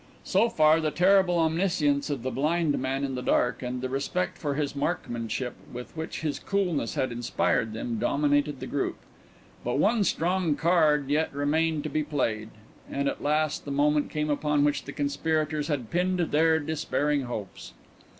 So far the terrible omniscience of the blind man in the dark and the respect for his markmanship with which his coolness had inspired them, dominated the group. But one strong card yet remained to be played, and at last the moment came upon which the conspirators had pinned their despairing hopes.